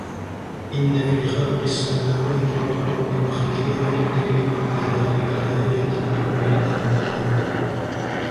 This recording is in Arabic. إن في خلق السماوات والأرض واختلاف الليل والنهار لآيات لأولي الألباب